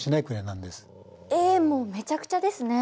もうめちゃくちゃですね。